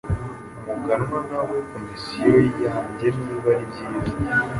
Muganwa wawe komisiyo yanjyeniba ari byiza